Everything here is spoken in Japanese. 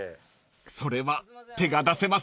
［それは手が出せませんね］